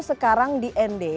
sekarang di nd